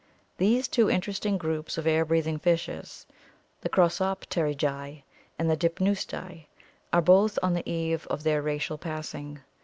These two interesting groups of air breathing fishes, the Crossopterygii and Dipneusti, are both on the eve of their racial passing.